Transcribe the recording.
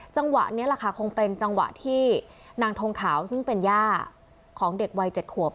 จังหวะนี้แหละค่ะคงเป็นจังหวะที่นางทงขาวซึ่งเป็นย่าของเด็กวัย๗ขวบ